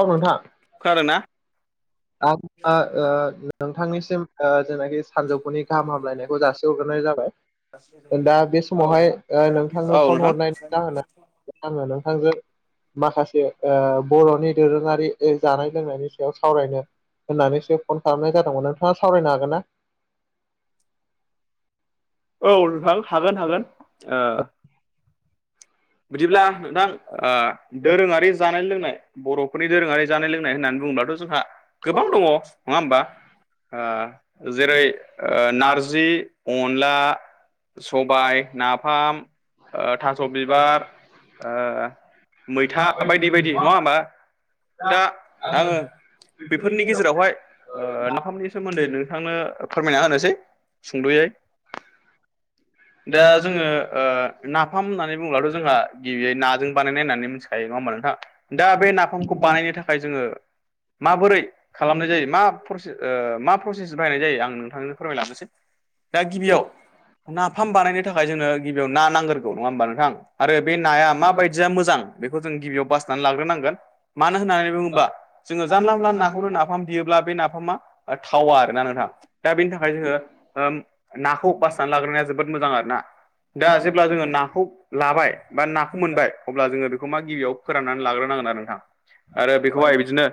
औ नोंथां खोनादों ना? आ आ अ आ नोंथांनिसिम ओ जेनाखि सानजौफुनि गाहाम हामलायनायखौ जासि हरग्रोनाय जाबाय। होमबा बे समावहाय ओ नोंथांनो औ फन नोंथां हरनायनि जाहोना आंङो नोथांजों माखासे आ बर'नि दोरोङारि जानाय लोंनायनि सायाव सावरायनो होननानैसो फन खालामनाय जादोंमोन नोंथाङा सावरायनो हागोन ना? औ नोंथां हागोन हागोन। ओ- बिदिब्ला नोंथां ओ-दोरोङारि जानाय लोंनाय बर'फोरनि दोरोङारि जानाय लोंनाय होननानै बुङोब्लाथ' जोंहा गोबां दङ नङा होमबा? जेरै ओ-नारजि, अनला। सबाय, नाफाम, ओ-थास' बिबार। मैथा बायदि बायदि नङा होमबा? दा आङो बेफोरनि गेजेरावहाय ओ-नाफामनि सोमोन्दै नोंथांनो फोरमायना होनोसै। सुंद'यै दा जोङो ओ-नाफाम होननानै होमब्लाथ' जोंहा गिबियै नाजों बानायनाय होननानै मिथिखायो नङा होनबा नोंथां? दा बे नाफामखौ बानायनो थाखाय जोङो। माबोरै खालामनाय जायो? मा प्रसेस ओ-मा? प्रसेसजों बाहायनाय जायो। आं नोंथांनो फोरमायलांनोसै दा गिबियाव नाफाम बानायनो थाखाय जोंनो गिबियाव ना नांग्रोगौ नङा होमबा नोंथां? आरो बे नाया माबायदिया मोजां बेखौ जों गिबियाव बासिनानै लाग्रोनांगोन। मानो होननानै बुङोबा जोङो जानला मोनला नाखौनो नाफाम देयोब्ला बे नाफामा ओ-थावा आरोना नोंथाङ दा बेनि थाखाय जोङो ओम। नाखौ बासिनानै लाग्रोनाया जोबोद मोजां आरो ना दा जेब्ला जोङो नाखौ लाबाय बा नाखौ मोनबाय अब्ला जोङो बेखौ मा गिबियाव फोराननानै लाग्रोनांगोन आरो नोंथां। आरो बेखौहाय बिदिनो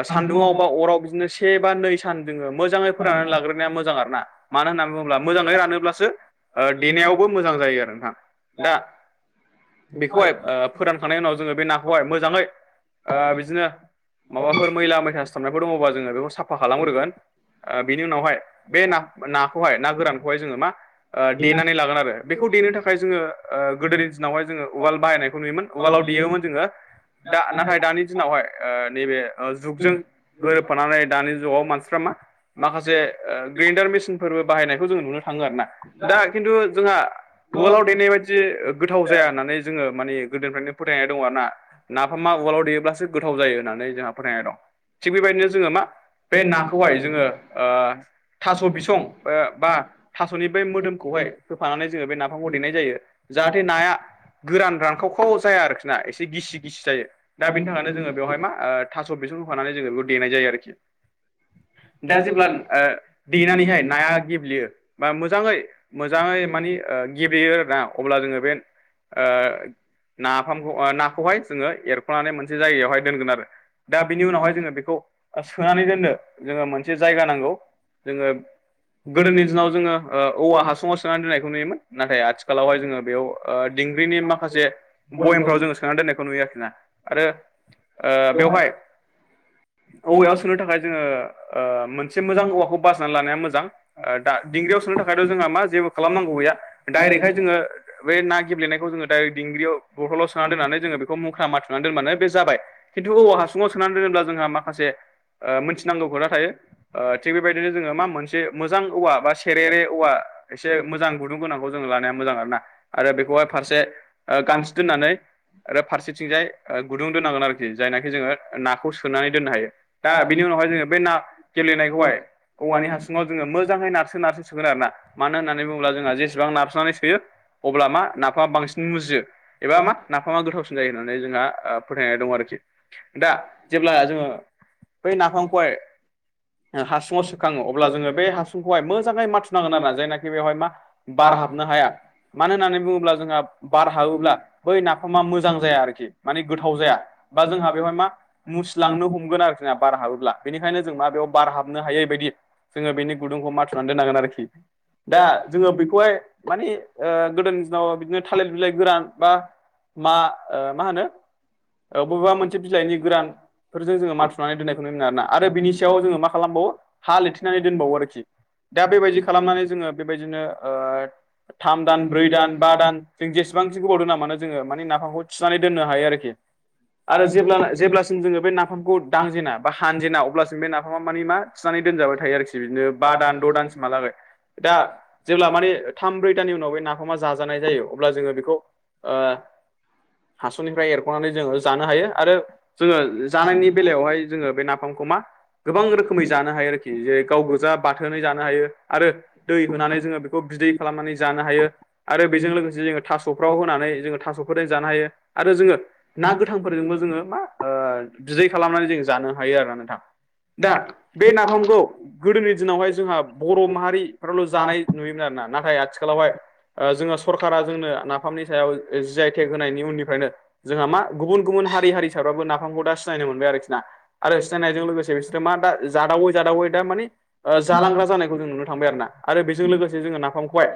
ओ-सान्दुुंआव बा अराव बिदिनो से बा नै सान जोङो मोजाङै फोराननानै लाग्रोनाया मोजां आरोना। मानो होननानै बुङोब्ला मोजाङै रानोब्लासो ओ- देनायावबो मोजां जायो आरो नोंथां। दा बेखौहाय ओ-फोरानखांनायनि उनाव जोङो बे नाखौहाय मोजाङै ओ-बिदिनो माबाफोर मैला मैसा सिथाबनायफोर दङबा जोङो बेखौ। साफा खालामग्रोगोन। ओ बिनि उनावहाय बे नाखौहाय ना गोरानखौहाय जोङो मा ओ देनानै लागोन आरो बेखौ देनो थाखाय जोङो ओ गोदोनि दिनावहाय जोङो उवाल बाहायनायखौ नुयोमोन उवालाव देयोमोन। जोङो दा नाथाय दानि दिनावहाय ओ नैबे जुगजों गोरोबफानानै दानि जुगाव मानसिफ्रा मा माखासे ओ ग्रेन्दार मेसिनफोरबो बाहायनायखौ जोङो नुनो थाङो आरोना। दा खिन्थु जोंहा उवालाव देनाय बायदि गोथाव जाया होननानै जोङो माने गोदोनिफ्रायनो फोथायनाय दङ आर ना नाफामा उवालाव देयोब्लासो गोथाव जायो होननानै जोंहा फोथायनाय दं। थिग बेबायदिनो जोङो मा बे नाखौहाय जोङो ओ थास' बिसं ओ बा थास'नि बे मोदोमखौहाय होफानानै जोङो बे नाफामखौ देनाय जायो। जाहाथे नाया गोरान रानखावखाव जाया आरोखि ना एसे गिसि गिसि जायो। दा बेनि थाखायनो जोङो बेवहाय मा ओ थास' बिसं होफानानै जोङो बेखौ देनाय जायो आरोखि। दा जेब्ला ओ देनानैहाय नाया गेब्लेयो बा मोजाङै मोजाङै माने ओ गेब्लेयो आरोना अब्ला जोङो बे ओ नाफामखौ नाखौहाय जोङो एरख'नानै मोनसे जायगायावहाय दोनगोन आरो दा बिनि उनावहाय जोङो बेखौ ओ सोनानै दोननो जोङो मोनसे जायगा नांगौ जोङो गोदोनि दिनाव जोङो ओ औवा हासुङाव सोनानै दोननायखौ नुयोमोन। नाथाय आथिखालावहाय जोङो बेयाव ओ दिंग्रिनि माखासे बयेमफ्राव जोङो सोननानै दोननायखौ नुयो आरोखिना। आरो ओ बेवहाय औवायाव सोनो थाखाय जोङो ओ मोनसे मोजां औवाखौ बासिनानै लानाया मोजां दा दिंग्रियाव सोनो थाखायथ' जोंहा मा जेबो खालामनांगौ गैया डाइरेक्टहाय जोङो बे ना गेब्लेनायखौ जोङो डाइरेक्ट दिंग्रियाव बटलाव सोनानै दोननानै जोङो मुक्रा माथुनानै दोनबानो बे जाबाय। खिन्थु औवा हासुङाव सोनानै दोनोब्ला जोंहा माखासे ओ मोनथिनांगौ खोथा थायो। ओ थिग बेबायदिनो जोङो मा मोनसे मोजां औवा बा सेरेरे औवा एसे मोजां गुदुं गोनांखौ जों लानाया मोजां आरोना आरो बेखौहाय फारसे ओ गानसि दोननानै आरो फारसेथिंजाय ओ गुदुं दोननांगोन आरोखि जायनाखि जोङो नाखौ सोनानै दोननो हायो। दा बेनि उनावहाय जोङो बे ना गेब्लेनायखौहाय औवानि हासुङाव जोङो मोजाङै नारसो नारसो सोगोन आरो ना मानो होन्नानै बुङोब्ला जोंहा जेसेबां नारसोनानै सोयो अब्ला मा नाफामा बांसिन मुजियो। एबा मा नाफामा गोथावसिन जायो होननानै जोंहा फोथायनाय दं आरोखि दा जेब्ला जोङो बै नाफामखौहाय ओ हासुङाव सोखाङो अब्ला जोङो बे हासुंखौहाय मोजाङै माथुनांगोन आरोना जायनाखि बेवहाय मा बार हाबनो हाया मा मानो होननानै बुङोब्ला जोंहा बार हाबोब्ला बै नाफामा मोजां जाया आरोखि माने गोथाव जाया बा जोंहा बेवहाय मा मुसिलांनो हमगोन आरोखि बार हाबोब्ला बेनिखायनो जों मा बेयाव बार हाबनो हायोबायदि जोङो बेनि गुदुंखौ माथुनानै दोननांगोन आरोखि दा जोङो बेखौहाय माने ओ गोदोनि दिनाव बिदिनो थालिर बिलाय गोरान बा मा मा होनो ओ बबेबा मोनसे बिलाइनि गोरानफोरजों जोङो माथुनानै दोननायखौनो आरोना आरो बिनि सायाव जोङो मा खालामबावो हा लेथेनानै दोनबावो आरोखि दा बेबायदि खालामनानै जोङो बेबायदिनो ओ थाम दान ब्रै दान बा दान जों जेसेबांसिम गोबाव दोना मानो जोङो माने नाफामखौ थिनानै दोननो हायो आरोखि आरो जेब्लाना जेब्लासिम जोङो बे नाफामखौ दांजेना बा हानजेना अब्लासिम बे नाफामा माने मा थिनानै दोनजाबाय थायो आरोखि बिदिनो बा दान द' दानसिमहालागै दा जेब्ला माने थाम ब्रै दाननि उनाव बे नाफामा जाजानाय जायो अब्ला जोङो बेखौ ओ हास'निफ्राय एरख'नानै जोङो जानो हायो आरो जोङो जानायनि बेलायावहाय जोङो बे नाफामखौ मा गोबां रोखोमै जानो हायो आरोखि जेरै गाव गोजा बाथोनै जानो हायो आरो दै होनानै जोङो खौ बिदै खालामनानै जानो हायो। आरो बेजों लोगोसे जोङो थास'फ्राव होनानै जोङो थास'फोरजों जानो हायो। आरो जोङो ना गोथांफोरजोंबो जोङो मा बिदै खालामनानै जों जानो हायो आरो ना नोंथां। दा बे नाफामखौ गोदोनि दिनावहाय जोंहा बर' माहारिफ्राल' जानाय नुयोमोन आरो ना। ना थाय आथिखालावहाय जोङो सरकारा जोंनो नाफामनि सायाव जि आय टेक होनायनि उननिफ्रायनो जोंहा मा गुबुन गुबुन हारि हारिसाबाबो नाफामखौ दा सिनायनो मोनबाय आरोखि ना। आरो सिनायनायजों लोगोसे बिसोरो मा दा जादावै जादावै दा माने ओ जालांग्रा जानायखौ जों नुनो थांबाय आरो ना। आरो बेजों लोगोसे जोङो नाफाम खौहाय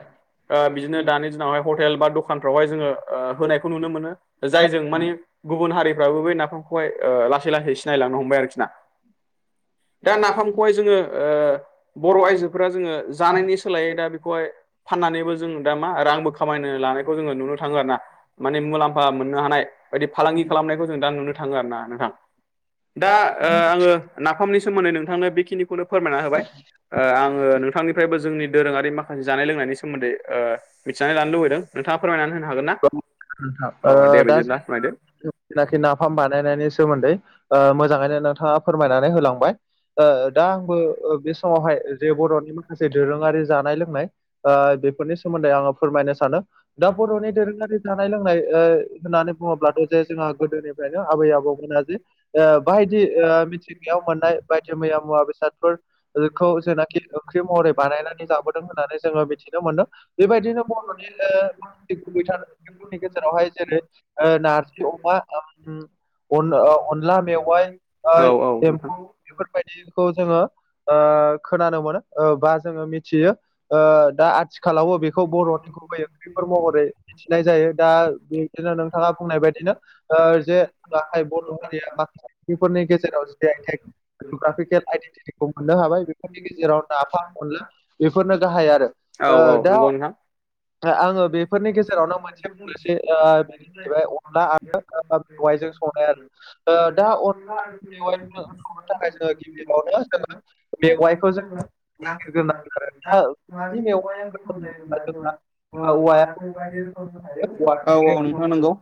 ओ बिदिनो दानि दिनावहाय ह टेल बा दखानफ्रावहाय जोङो ओ होनायखौ नुनो मोनो जायजों माने गुबुन हारिफ्राबो बै नाफामखौहाय ओ लासै लासै सिनायलांनो हमबाय आरोखि ना। [inaudible] दा नाफामखौहाय जोङो ओ बर' आइजोफोरा जोङो जानायनि सोलायै दा बे खौहाय फाननानैबो जों दा मा रांबो खामायनो लानायखौ जोङो नुनो थाङो आरो ना। माने मुलाम्फा मोननो हानाय बायदि फालांगि खालामनायखौ जों दा नुनो थाङो आरो ना नोंथां। दा आङो नाफामनि सोमोन्दै नोंथांनो बेखिनिखौनो फोरमायना होबाय। ओ आङो नोंथांनिफ्रायबो जोंनि दोरोङारि माखासे जानाय लोंनायनि सोमोन्दै ओ मिथिनानै लानो लुबैदों नोंथाङा फोरमायनानै होनो हागोन ना औ दे बिदिब्ला फोरमायदो? सोलाखि नाफाम बानायनायनि सोमोन्दै ओ मोजाङैनो नोंथाङा फोरमायनानै होलांबाय। ओ दा आंबो ओ बे समावहाय जे बर'नि माखासे दोरोङारि जानाय लोंनाय। ओ बेफोरनि सोमोन्दै आङो फोरमायनो सानो। दा बर'नि दोरोङारि जानाय लोंनाय होननानै बुङोब्लाथ' जे जोंहा गोदोनिफ्रायनो आबै आबौमोना जे ओ बायदि ओ मिथिंगायाव मोननाय बायदि मैया मुवा बेसाद फोरखौ जेनाखि ओंख्रि महरै बानायनानै जाबोदों होननानै जोङो मिथिनो मोनदों। बेबायदिनो बर'नि ओ माखासे गुबैथारनि गेजेरावहाय जेरै ओ नार जि अमा उम अन ओ अनला मेवाइ ओ औ नोंथां एम्फौ। बेफोर बायदिखौ जोङो ओ खोनानो मोनो ओ बा जोङो मिथियो ओ दा आथि खालावबो बेखौ बर'नि गुबै ओंख्रिफोर महरै मिन्थिनाय जायो। दा बेदिनो नोंथाङा बुंनाय बाय दिनो ओ जे गाहाय बर' हारिया माखासे फोरनि गेजेराव जिआयटेक जग्राफिकेल आइडेन्टिखौ मोननो हाबाय बेफोरनि गेजेराव नाफाम, अनला बेफोरनो गाहाय आरो। औ ओ औ दा नंगौ नोंथां। आङो बेफोरनि गेजेरावनो मोनसे बुंनोसै ओ बेनो जाहैबाय अन ला आरो ओ मेवायजों संनाय आरो दा अन [unintelligible] [unintelligible] [unintelligible] जोंना औवाया खौ बायदि रोखोमनि थायो। [unintelligible] औ नोंथां नंगौ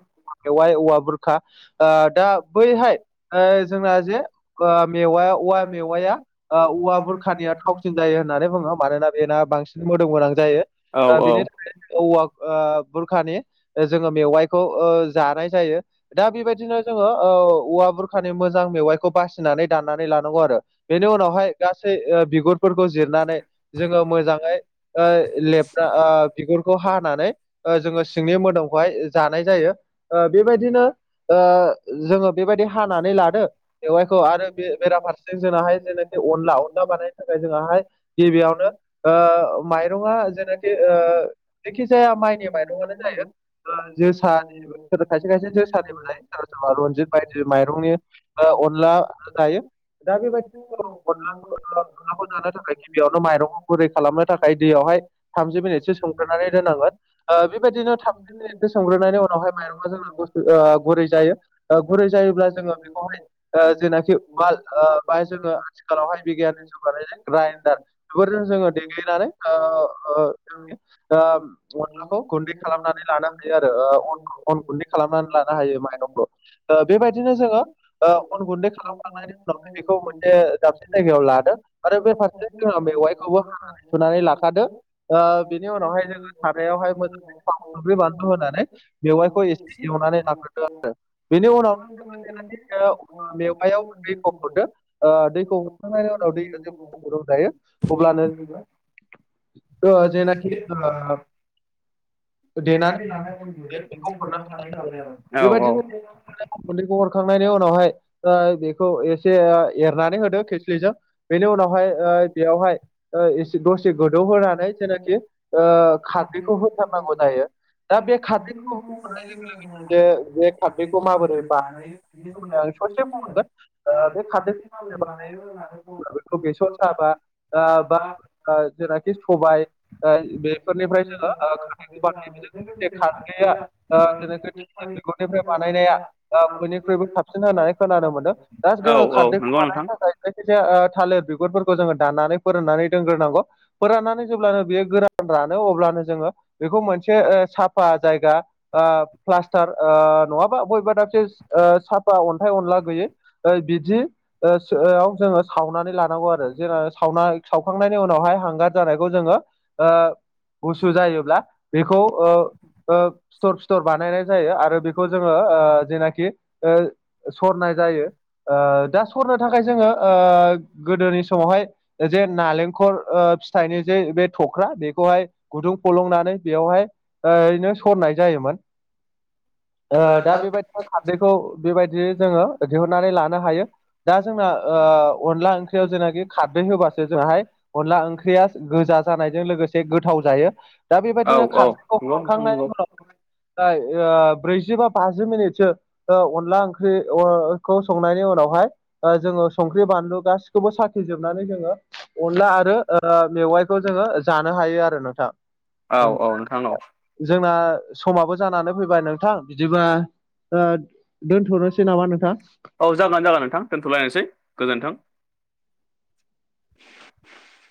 एवाइ औवा बुरखा ओ दा बैहाय ओ जोंना जे ओ मेवा औवा मेवाया औवा बुरखानिया थावसिन जायो होननानै बुङो मानोना बेना बांसिन मोदोम गोनां जायो। औ दा औ बेनि थाखाय औवा ओ बुरखानि जोङो मेवाइखौ ओ जानाय जायो। दा बेबायदिनो जोङो ओ औवा बुरखानि मोजां मेवाइ खौ बासिनानै दाननानै लानांगौ आरो। बेनि उनावहाय गासै ओ बिगुरफोरखौ जिरनानै जोङो मोजाङै ओ लेबना ओ बिगुरखौ हानानै ओ जोङो सिंनि मोदोमखौहाय जानाय जायो। ओ बेबायदिनो ओ जोङो बेबायदि हानानै लादो मेवाइखौ आरो बे बेराफारसे जोंनाहाय जेनाखि अनला अनला बानायनो थाखाय जोङा हाय गिबियावनो ओ माइरंङा जेनाखि ओ जेखि जाया माइनि माइरंङानो जायो। ओ जोसा [unintelligible] खायसे खायसे जोसानिबो जायो सोरबा सोरबा रनजित बायदि माइरंनि ओ अनला जायो। दा बेबायदि अनलाखौ जानो थाखाय गिबियावनो माइरंखौ गुरै खालामनो थाखाय दैयावहाय थामजि मिनिटसो सोमग्रोनानै दोनांगोन ओ बेबायदिनो थामजि मिनिटसो सोमग्रोनानै उनावहाय माइरं जों बुस्थु ओ गुरै जायो। ओ गुरै जायोब्ला जोंङो बेखौहाय ओ जेनाखि उवाल ओ बाहाय जोंङो आथिखालावहाय बिगियाननि जौगानायजे ग्राइन्दार बेफोरजों जोंङो देग्लिनानै ओ ओ ओ अनलाखौ गुन्दै खालामनानै लानो हायो आरो ओ अनखौ अन गुन्दै खालामनानै लानो हायो माइरं ओ बेबायदिनो जोंङो ओ अन गुन्दै खालामखांनायनि उनाव बेखौ मोनसे दाबसे जायगायाव लादों आरो बे फारसे जोंहा मेवाइखौबो हानानै सुनानै लाखादो लानानै [unintelligible] ओ बेनि उनावहाय जोंङो सारायावहाय मोजांङै थाव संख्रि बानलु होनानै मेवाइखौ एसे एवनानै लाग्रोदो बेनि उनाव [unintelligible] [unintelligible] मेवायाव दैखौ हरदो ओ दैखौ हरखांनायनि उनाव दैखौ ज फुदुंं जायो। अब्लानो ओ जेनाखि ओ [unintelligible] देनानै लानाय जों नुदों बेखौ हरनो हानाय जाबाय आरो। औ औ बेबायदिनो गुन्दैखौ हरखांनायनि उनावहाय ओ बेखौ एसे ओ एरनानै होदो खोस्लिजों। बेनि उनावहाय ओ बेयावहाय ओ एसे दसे गोदौहोनानै जेनाखि ओ खारदैखौ होथारनांगौ जायो। दा बे खारदैखौ जे जे खारदैखौ माबोरै बानायो ओ ससे बुंहरदो। फांनि खामानि बानायनो रोङाखै बेखौ बर'फोरखौ बेसर बे' साबा ओ बा ज [unintelligible] ओ जेनाखि सबाय ओ बेफोरनिफ्राय जोंङो ओ खारदैखौ बानायनाय जायो। [unintelligible] [unintelligible] निफ्राय बानायनाया बयनिख्रुइबो साबसिन होननानै खोनानो मोनदों। दा जोंङो औ औ खारदैखौ नंगौ नोंथां बानायनो थाखाय जायखिजाया ओ थालिर बिगुरफोरखौ जोंङो दाननानै फोराननानै दोनग्रोनांगौ। फोराननानै जेब्लानो बेयो गोरान रानो अब्लानो जोंङो बेखौ मोनसे ओ साफा जायगा आ प्लास्टार ओ नंङाबा बयेबा दाबसे साफा अन्थाइ अनला गोयै ओइ बिदि ओ सोआव जोंङो सावनानै लानांगौ आरो जों सावना सावखांनायनि उनावहाय हांगार जानायखौ जोंङो ओ गुसु जायोब्ला बेखौ ओ ओ फिथर -फिथर बानायनाय जायो आरो बेखौ जोंङो ओ जेनाखि सरनाय जायो। ओ दा सरनो थाखाय जोंङो ओ गोदोनि समावहाय ओ जे नालेंखर ओ फिथाइनि जे बे थ'ख्रा बेखौहाय गुदुं फलंनानै बेवहाय ओ ओरैनो सरनाय जायोमोन। ओ दा बेबायदिनो खारदैखौ बेबायदियै जोंङो दिहुननानै लानो हायो। दा जोंना ओ अनला ओंख्रियाव जेनाखि खारदै होबासो जोंहाय अनला ओंख्रिया गोजा जानायजों लोगोसे गोथाव जायो। दा औ बेबायदिनो औ खारैखौ नंगौ नोंथां नंगौ हरखांनायनि उनाव ब्रैजि बा बाजि मिनिटसो ओ अनला ओंख्रि अरखौ संनायनि उनावहाय ओ जोंङो संख्रि बानलु गासिखौबो साखिजोबनानै जोंङो अनला आरो ओ मेवाइखौ जोंङो जानो हायो आरो नोंथां। आंनाव जोंना समाबो जानानै फैबाय नोंथां बिदिबा ओ दोनथ'नोसै नामा नोंथां? औ जागोन जागोन नोंथां दोन्थ'लायनोसै गोजोन्थों [inaudible]